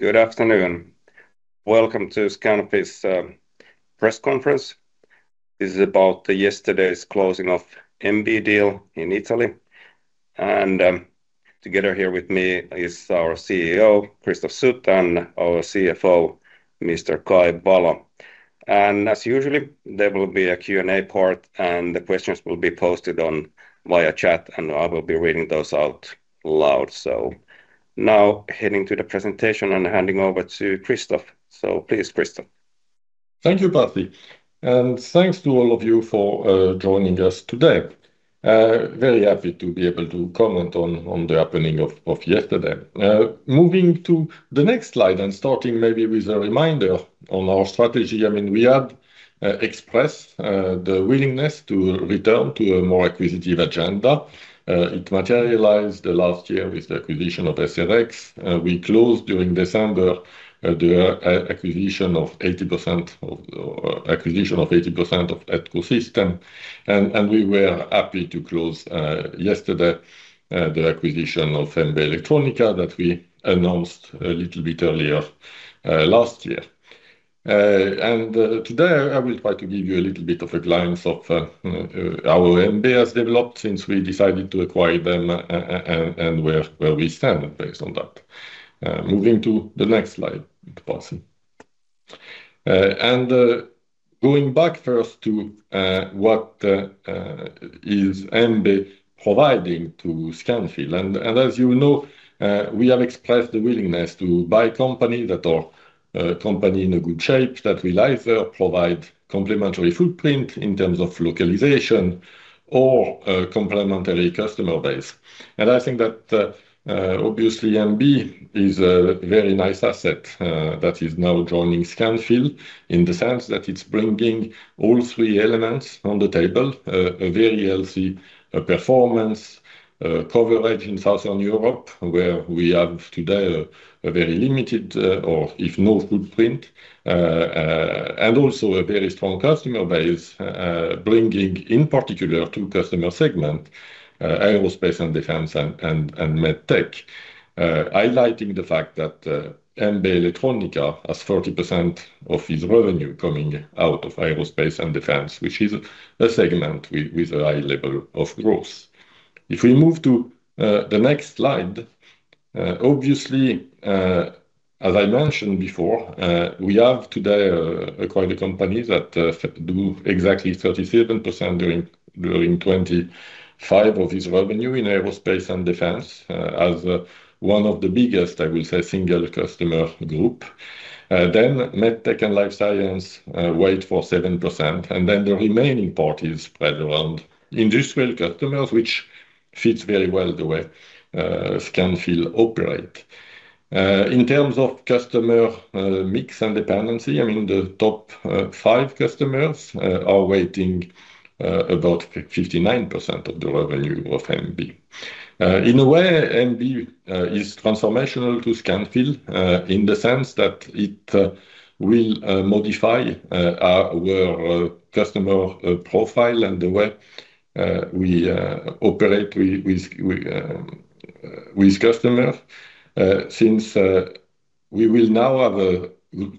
Good afternoon. Welcome to Scanfil, Pasi Hiedanpää's press conference. This is about yesterday's closing of MB deal in Italy. And together here with me is our CEO, Christophe Sut, and our CFO, Mr. Kai Valo. And as usual, there will be a Q&A part, and the questions will be posted via chat, and I will be reading those out loud. So now heading to the presentation and handing over to Christophe. So please, Christophe. Thank you, Pasi. Thanks to all of you for joining us today. Very happy to be able to comment on the happening of yesterday. Moving to the next slide and starting maybe with a reminder on our strategy. I mean, we had expressed the willingness to return to a more acquisitive agenda. It materialized last year with the acquisition of SRX. We closed during December the acquisition of 80% of the acquisition of 80% of that ecosystem. We were happy to close yesterday the acquisition of MB Elettronica that we announced a little bit earlier last year. Today I will try to give you a little bit of a glance of how MB has developed since we decided to acquire them and where we stand based on that. Moving to the next slide, Pasi. Going back first to what is MB providing to Scanfil. And as you know, we have expressed the willingness to buy companies that are companies in good shape that will either provide complementary footprint in terms of localization or complementary customer base. And I think that obviously MB is a very nice asset that is now joining Scanfil in the sense that it's bringing all three elements on the table: a very healthy performance, coverage in Southern Europe, where we have today a very limited or if no footprint, and also a very strong customer base, bringing in particular two customer segments: aerospace and defense and Medtech, highlighting the fact that MB Elettronica has 40% of its revenue coming out of aerospace and defense, which is a segment with a high level of growth. If we move to the next slide, obviously, as I mentioned before, we have today acquired companies that do exactly 37% during 2025 of its revenue in aerospace and defense as one of the biggest, I will say, single customer group. Then Medtech and life science weigh for 7%, and then the remaining part is spread around industrial customers, which fits very well the way Scanfil operates. In terms of customer mix and dependency, I mean, the top five customers are weighing about 59% of the revenue of MB. In a way, MB is transformational to Scanfil in the sense that it will modify our customer profile and the way we operate with customers since we will now have a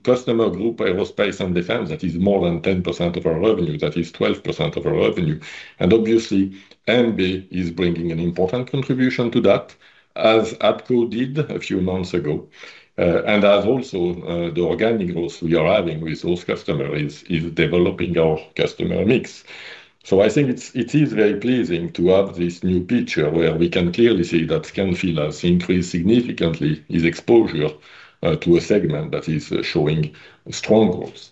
customer group, aerospace and defense, that is more than 10% of our revenue, that is 12% of our revenue. Obviously, MB is bringing an important contribution to that, as ATCO did a few months ago, and as also the organic growth we are having with those customers is developing our customer mix. So I think it is very pleasing to have this new picture where we can clearly see that Scanfil has increased significantly its exposure to a segment that is showing strong growth.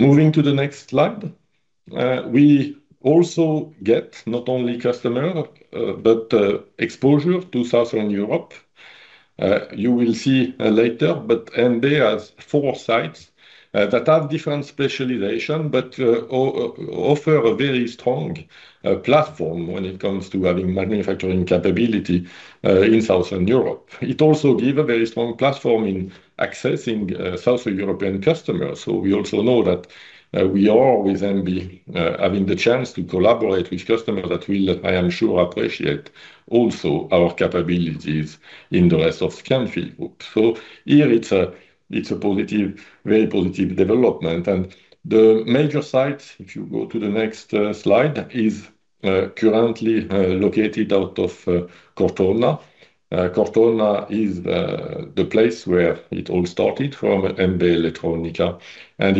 Moving to the next slide, we also get not only customer, but exposure to Southern Europe. You will see later, but MB has four sites that have different specializations, but offer a very strong platform when it comes to having manufacturing capability in Southern Europe. It also gives a very strong platform in accessing Southern European customers. So we also know that we are with MB having the chance to collaborate with customers that will, I am sure, appreciate also our capabilities in the rest of Scanfil Group. So here, it's a very positive development. And the major site, if you go to the next slide, is currently located out of Cortona. Cortona is the place where it all started from MB Elettronica. And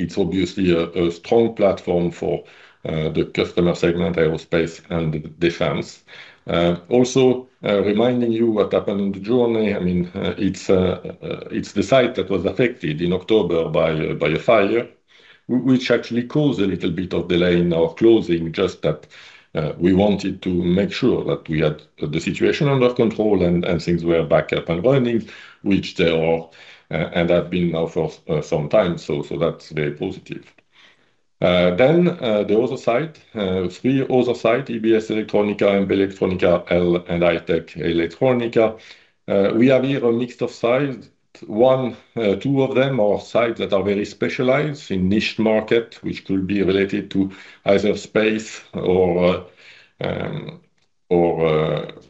it's obviously a strong platform for the customer segment, aerospace and defense. Also, reminding you what happened on the journey, I mean, it's the site that was affected in October by a fire, which actually caused a little bit of delay in our closing, just that we wanted to make sure that we had the situation under control and things were back up and running, which they are, and have been now for some time. So that's very positive. Then the other site, three other sites, EBS Elettronica, MB Elettronica, and I-Tech Elettronica. We have here a mix of sites. Two of them are sites that are very specialized in niche markets, which could be related to either space or automotive,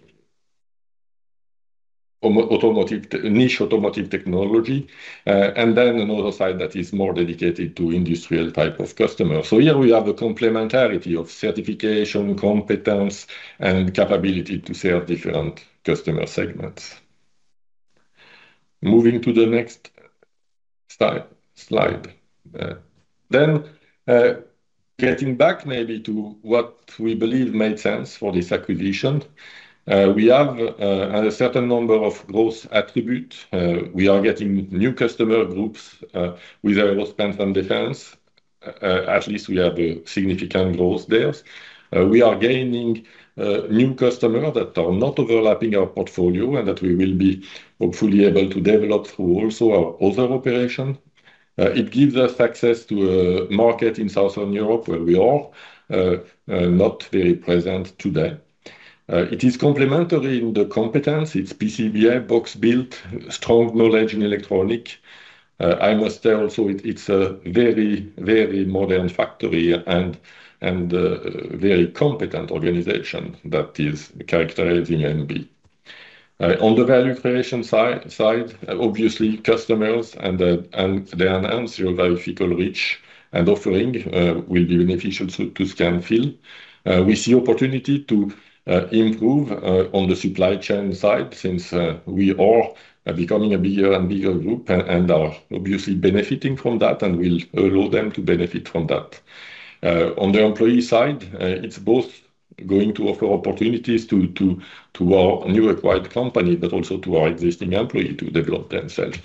niche automotive technology. And then another site that is more dedicated to industrial type of customers. So here we have a complementarity of certification, competence, and capability to serve different customer segments. Moving to the next slide. Then getting back maybe to what we believe made sense for this acquisition, we have a certain number of growth attributes. We are getting new customer groups with aerospace and defense. At least we have a significant growth there. We are gaining new customers that are not overlapping our portfolio and that we will be hopefully able to develop through also our other operations. It gives us access to a market in Southern Europe where we are not very present today. It is complementary in the competence. It's PCBA, box build, strong knowledge in electronics. I must say also it's a very, very modern factory and very competent organization that is characterizing MB. On the value creation side, obviously customers and their access will be very fuller reach and offering will be beneficial to Scanfil. We see opportunity to improve on the supply chain side since we are becoming a bigger and bigger group and are obviously benefiting from that and will allow them to benefit from that. On the employee side, it's both going to offer opportunities to our new acquired company, but also to our existing employees to develop themselves.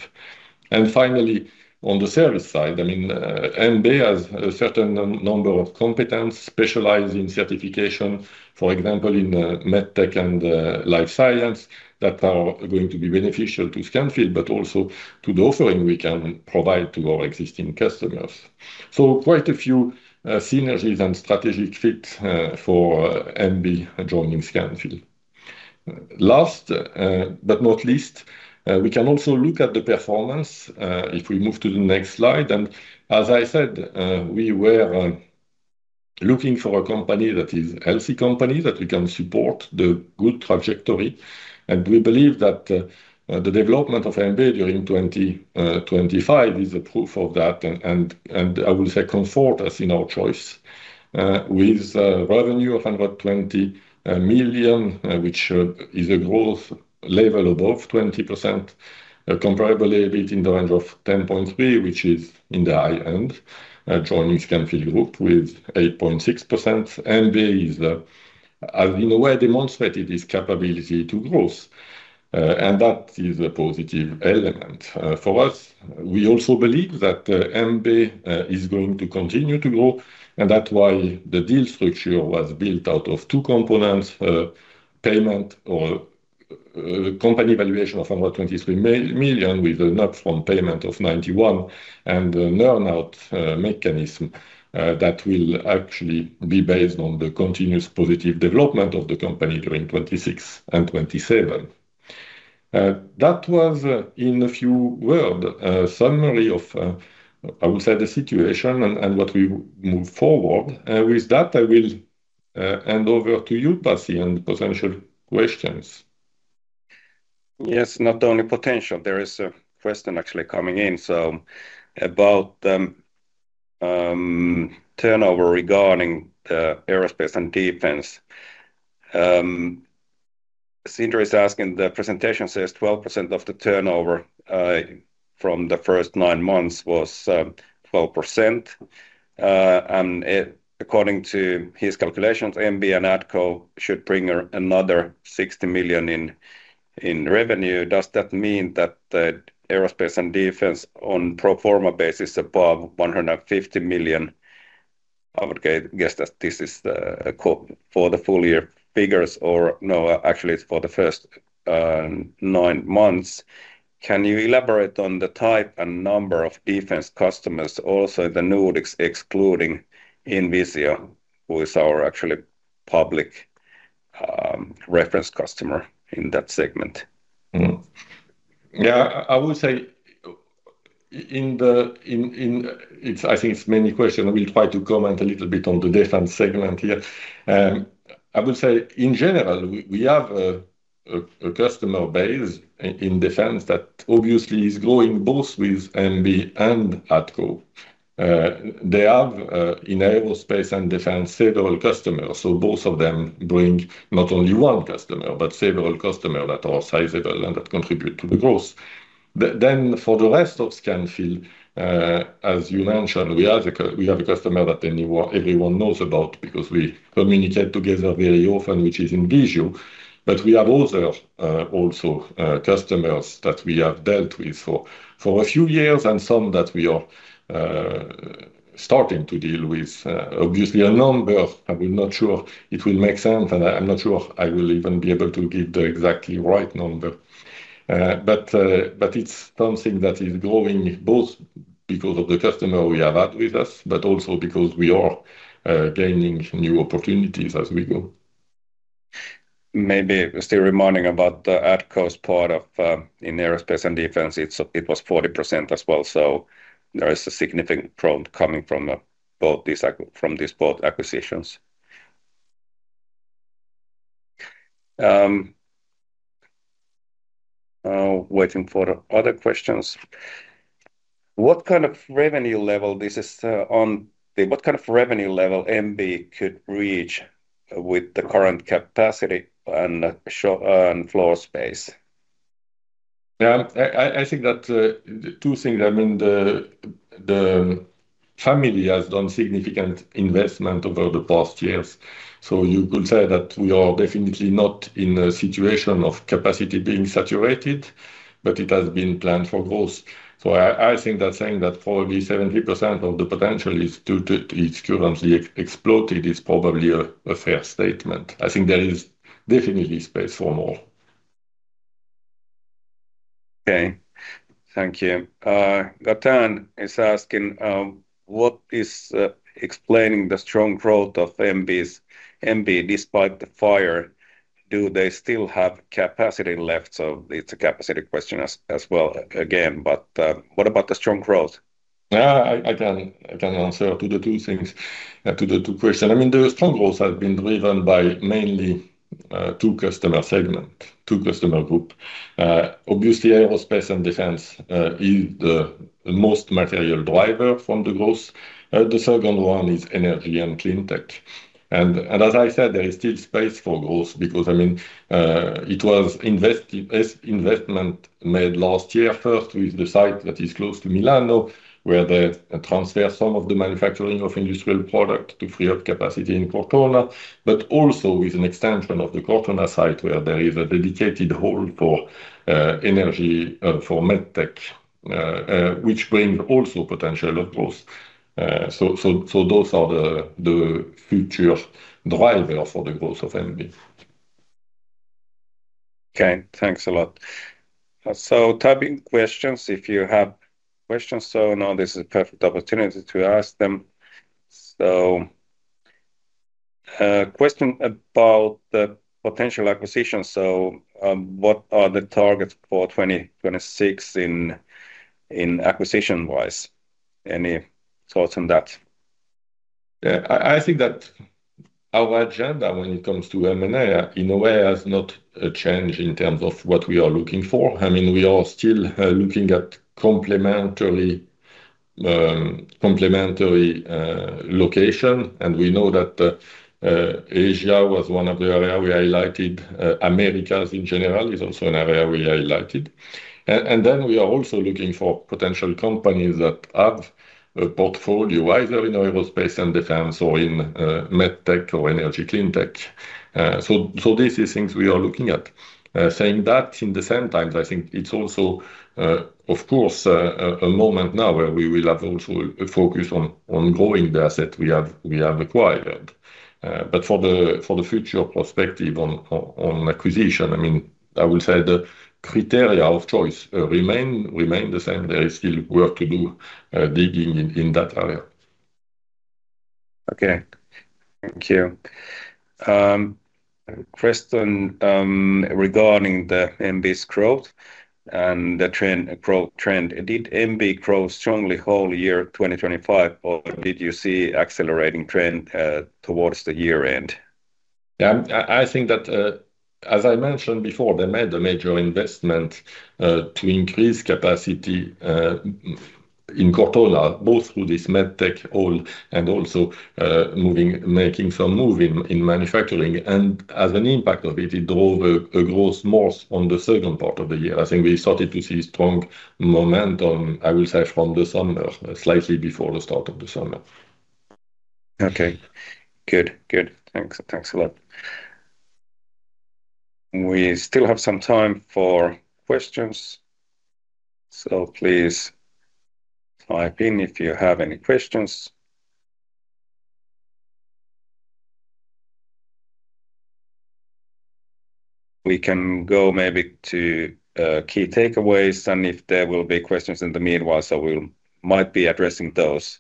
And finally, on the service side, I mean, MB has a certain number of competence specialized in certification, for example, in Medtech and life science that are going to be beneficial to Scanfil, but also to the offering we can provide to our existing customers. So quite a few synergies and strategic fits for MB joining Scanfil. Last but not least, we can also look at the performance if we move to the next slide. And as I said, we were looking for a company that is a healthy company that we can support the good trajectory. And we believe that the development of MB during 2025 is a proof of that. I will say comfort us in our choice with revenue of 120 million, which is a growth level above 20%, comparable a bit in the range of 10.3, which is in the high end, joining Scanfil Group with 8.6%. MB has, in a way, demonstrated its capability to grow. And that is a positive element for us. We also believe that MB is going to continue to grow. And that's why the deal structure was built out of two components: payment or company valuation of 123 million with an upfront payment of 91 million and an earn-out mechanism that will actually be based on the continuous positive development of the company during 2026 and 2027. That was, in a few words, a summary of, I will say, the situation and what we move forward. And with that, I will hand over to you, Pasi, and potential questions. Yes, not only potential. There is a question actually coming in about turnover regarding aerospace and defense. Sindre is asking, the presentation says 12% of the turnover from the first nine months was 12%. And according to his calculations, MB and ATCO should bring another 60 million in revenue. Does that mean that aerospace and defense on pro forma basis is above 150 million? I would guess that this is for the full year figures or no, actually it's for the first nine months. Can you elaborate on the type and number of defense customers, also the Nordics excluding INVISIO, who is our actually public reference customer in that segment? Yeah, I would say in the, I think it's many questions. I will try to comment a little bit on the defense segment here. I would say in general, we have a customer base in defense that obviously is growing both with MB and ATCO. They have in aerospace and defense several customers. So both of them bring not only one customer, but several customers that are sizable and that contribute to the growth. Then for the rest of Scanfil, as you mentioned, we have a customer that everyone knows about because we communicate together very often, which is INVISIO. But we have also customers that we have dealt with for a few years and some that we are starting to deal with. Obviously, a number, I will not sure it will make sense, and I'm not sure I will even be able to give the exactly right number. But it's something that is growing both because of the customer we have had with us, but also because we are gaining new opportunities as we go. Maybe still reminding about the ATCO's part in aerospace and defense, it was 40% as well. So there is a significant growth coming from both these two acquisitions. Waiting for other questions. What kind of revenue level this is on? What kind of revenue level MB could reach with the current capacity and floor space? Yeah, I think that two things. I mean, the family has done significant investment over the past years. So you could say that we are definitely not in a situation of capacity being saturated, but it has been planned for growth. So I think that saying that probably 70% of the potential is currently exploited is probably a fair statement. I think there is definitely space for more. Okay, thank you. Gaetan is asking, what is explaining the strong growth of MB despite the fire? Do they still have capacity left? So it's a capacity question as well again, but what about the strong growth? I can answer to the two things, to the two questions. I mean, the strong growth has been driven by mainly two customer segments, two customer groups. Obviously, aerospace and defense is the most material driver from the growth. The second one is energy and Cleantech. As I said, there is still space for growth because, I mean, it was investment made last year first with the site that is close to Milan, where they transfer some of the manufacturing of industrial product to free up capacity in Cortona, but also with an extension of the Cortona site where there is a dedicated hall for energy for Medtech, which brings also potential of growth. So those are the future drivers for the growth of MB. Okay, thanks a lot. So taking questions, if you have questions. So now this is a perfect opportunity to ask them. So question about the potential acquisition. So what are the targets for 2026 in acquisition wise? Any thoughts on that? I think that our agenda when it comes to M&A in a way has not changed in terms of what we are looking for. I mean, we are still looking at complementary locations. We know that Asia was one of the areas we highlighted. America in general is also an area we highlighted. Then we are also looking for potential companies that have a portfolio either in aerospace and defense or in Medtech or energy cleantech. These are things we are looking at. Saying that, at the same time, I think it's also, of course, a moment now where we will have also focus on growing the asset we have acquired. For the future perspective on acquisition, I mean, I will say the criteria of choice remain the same. There is still work to do digging in that area. Okay, thank you. Question regarding the MB's growth and the trend. Did MB grow strongly whole year 2025, or did you see accelerating trend towards the year end? Yeah, I think that, as I mentioned before, they made a major investment to increase capacity in Cortona, both through this Medtech whole and also making some move in manufacturing. And as an impact of it, it drove a growth more on the second part of the year. I think we started to see strong momentum, I will say, from the summer, slightly before the start of the summer. Okay, good, good. Thanks a lot. We still have some time for questions. So please type in if you have any questions. We can go maybe to key takeaways, and if there will be questions in the meanwhile, so we might be addressing those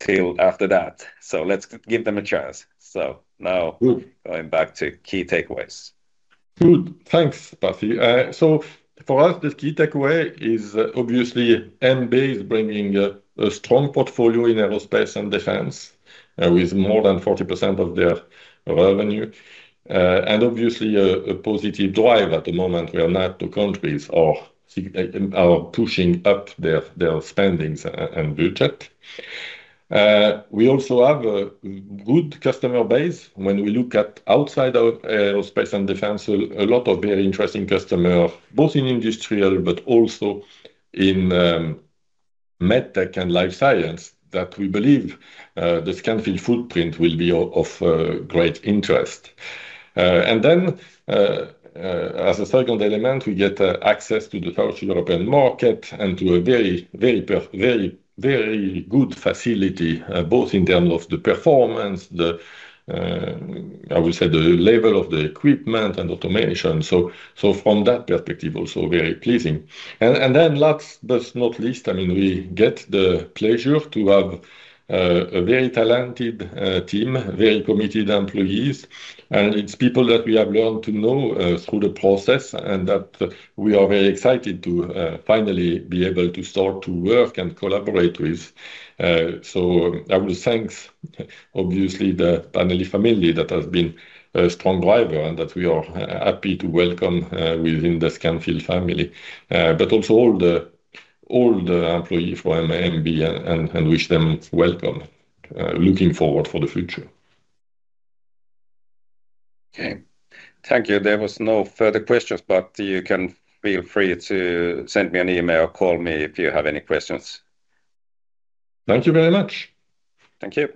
till after that. So let's give them a chance. So now going back to key takeaways. Good, thanks, Pasi. So for us, the key takeaway is obviously MB is bringing a strong portfolio in aerospace and defense with more than 40% of their revenue. And obviously a positive drive at the moment where NATO countries are pushing up their spendings and budget. We also have a good customer base when we look at outside aerospace and defense, a lot of very interesting customers, both in industrial, but also in Medtech and life science that we believe the Scanfil footprint will be of great interest. And then as a second element, we get access to the first European market and to a very, very, very, very good facility, both in terms of the performance, I will say the level of the equipment and automation. So from that perspective, also very pleasing. Last but not least, I mean, we get the pleasure to have a very talented team, very committed employees. It's people that we have learned to know through the process and that we are very excited to finally be able to start to work and collaborate with. I will thank obviously the family that has been a strong driver and that we are happy to welcome within the Scanfil family, but also all the employees from MB and wish them welcome, looking forward for the future. Okay, thank you. There were no further questions, but you can feel free to send me an email or call me if you have any questions. Thank you very much. Thank you.